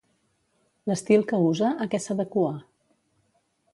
L'estil que usa, a què s'adequa?